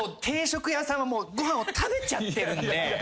定食屋さんはご飯を食べちゃってるんで。